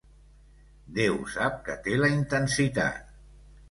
Déu sap que té la intensitat.